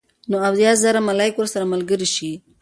نو اويا زره ملائک ورسره ملګري شي